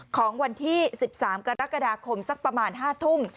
ของวันที่สิบสามกรกฎาคมสักประมาณห้าทุ่ม